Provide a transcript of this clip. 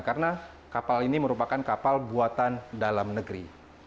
karena kapal ini merupakan kapal buatan dalam negeri